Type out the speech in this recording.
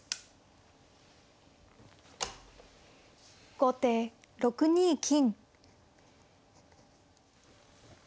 後手６二金。